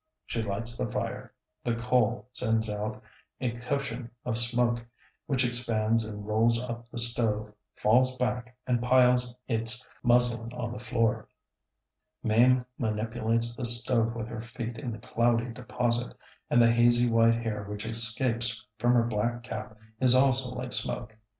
She lights the fire. The coal sends out a cushion of smoke, which expands and rolls up the stove, falls back, and piles its muslin on the floor. Mame manipulates the stove with her feet in the cloudy deposit; and the hazy white hair which escapes from her black cap is also like smoke.